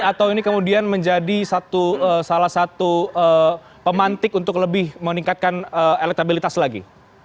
atau ini kemudian menjadi salah satu pemantik untuk lebih meningkatkan elektabilitas lagi